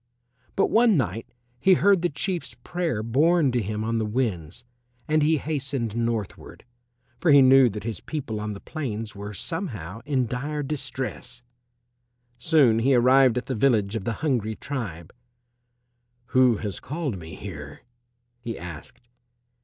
But one night he heard the Chief's prayer borne to him on the winds, and he hastened northward, for he knew that his people on the plains were somehow in dire distress. Soon he arrived at the village of the hungry tribe. "Who has called me here?" he asked.